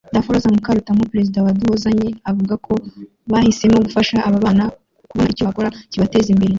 Daphrose Mukarutamu perezidante wa Duhozanye avuga ko bahisemo gufasha aba bana kubona icyo bakora kibateza imbere